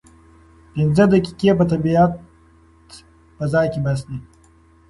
پنځه دقیقې په طبیعي فضا کې بس دي.